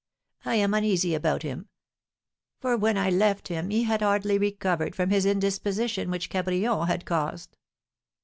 I am uneasy about him, for when I left him he had hardly recovered from his indisposition which Cabrion had caused."